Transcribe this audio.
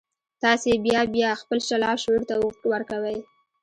تاسې يې بيا بيا خپل لاشعور ته ورکوئ.